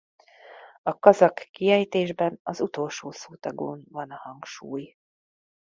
A kazak kiejtésben az utolsó szótagon van a hangsúly.